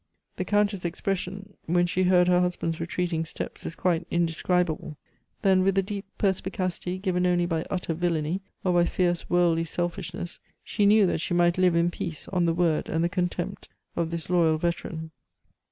The Countess' expression when she heard her husband's retreating steps is quite indescribable. Then, with the deep perspicacity given only by utter villainy, or by fierce worldly selfishness, she knew that she might live in peace on the word and the contempt of this loyal veteran.